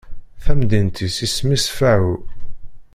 Tamdint-is isem-is Faɛu.